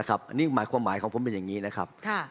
อันนี้หมายความหมายของผมเป็นอย่างนี้นะครับ